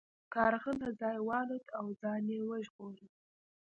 کارغه له ځایه والوت او ځان یې وژغوره.